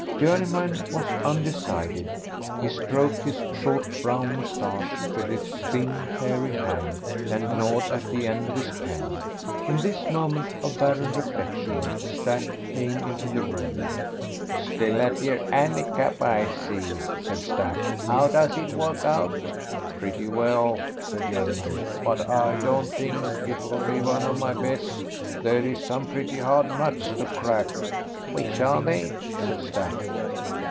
Journeyman was undecided. He stroked his short brown moustache with his thin, hairy hand, and gnawed the end of his pen. In this moment of barren reflection Stack came into the room. "Still at yer 'andicap, I see," said Stack. "How does it work out?" "Pretty well," said Journeyman. "But I don't think it will be one of my best; there is some pretty hard nuts to crack." "Which are they?" said Stack.